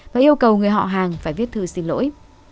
và yêu cầu người họ hàng phải viết thư xin lỗi